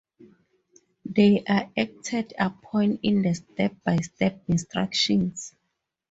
They are acted upon in the step-by-step instructions